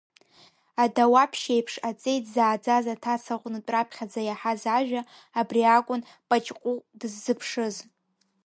Адауаԥшь еиԥш аҵеи дзааӡаз аҭаца лҟнытә раԥхьаӡа иаҳаз ажәа, абри акәын Паҷкәыкә дыззыԥшыз.